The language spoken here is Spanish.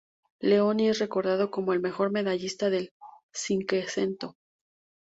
Leoni es recordado como el mejor medallista del "Cinquecento".